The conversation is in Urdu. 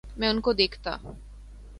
میں ان کو دیکھتا